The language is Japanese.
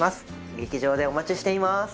劇場でお待ちしています！